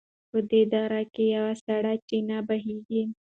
په دې دره کې یوه سړه چینه بهېږي.